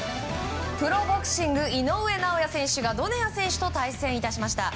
プロボクシング井上尚弥選手がドネア選手と対戦致しました。